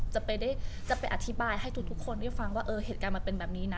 จะไปอธิบายให้ทุกคนได้ฟังว่าเออเหตุการณ์มันเป็นแบบนี้นะ